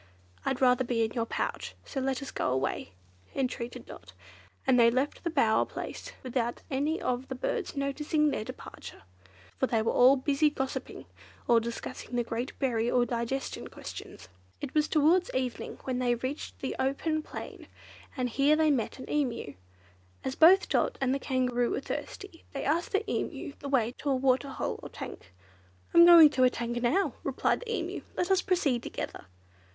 "I'd rather be in your pouch, so let us go away," entreated Dot; and they left the bower place without any of the birds noticing their departure, for they were all busy gossiping, or discussing the great berry or digestion questions. It was towards evening when they reached an open plain, and here they met an Emu. As both Dot and the Kangaroo were thirsty, they asked the Emu the way to a waterhole or tank. "I am going to a tank now," replied the Emu; "let us proceed together."